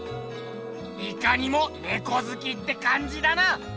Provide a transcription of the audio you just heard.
いかにもネコずきってかんじだな。